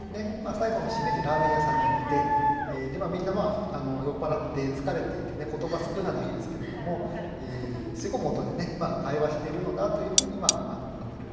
最後の締めでラーメン屋さんに行ってみんな酔っ払って疲れていてね言葉少ななんですけれども吸い込む音で会話しているのだというふうに詠んでると。